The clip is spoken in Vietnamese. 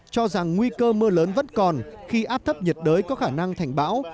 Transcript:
cho rằng nguy cơ mưa lớn vẫn còn khi áp thấp nhiệt đới có khả năng thành bão